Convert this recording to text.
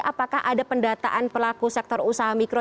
apakah ada pendataan pelaku sektor usaha mikro